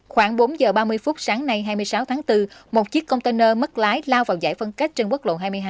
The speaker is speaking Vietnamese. khoảng bốn giờ ba mươi phút sáng nay hai mươi sáu tháng bốn một chiếc container mất lái lao vào giải phân cách trên quốc lộ hai mươi hai